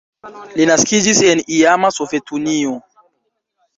Li naskiĝis en iama Sovetunio.